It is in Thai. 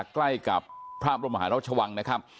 ใกล้กับพระบรมหาราชวังนะครับ